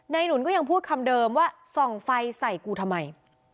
หนุนก็ยังพูดคำเดิมว่าส่องไฟใส่กูทำไม